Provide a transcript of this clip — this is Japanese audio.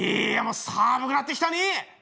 「いやもう寒くなってきたね」。